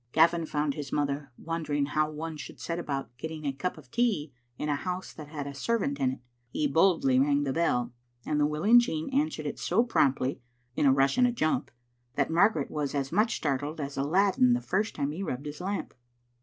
Gavin found his mother wondering how one should set about getting a cup of tea in a house that had a servant in it. He boldly rang the bell, and the willing Jean answered it so promptly (in a rush and jump) that Margaret was as much startled as Aladdin the first time he rubbed his lamp.